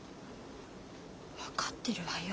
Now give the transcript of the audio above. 分かってるわよ。